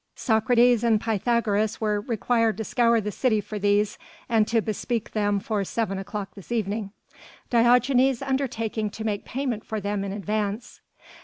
Socrates and Pythagoras were required to scour the city for these, and to bespeak them for seven o'clock this evening, Diogenes undertaking to make payment for them in advance.